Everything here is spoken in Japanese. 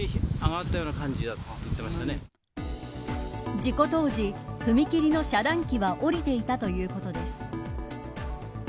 事故当時、踏切の遮断機は下りていたということです。